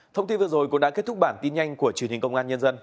thông tin vừa rồi cũng đã kết thúc bản tin nhanh của truyền hình công an nhân dân